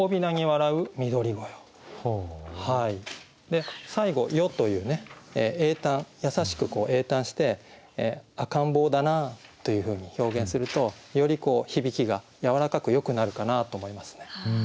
で最後「よ」という詠嘆優しく詠嘆して「赤ん坊だなあ」というふうに表現するとより響きがやわらかくよくなるかなと思いますね。